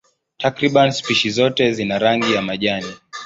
Takriban spishi zote zina rangi ya majani.